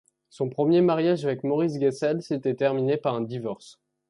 Son premier marriage avec Morris Gesell s'était terminé par un divorce.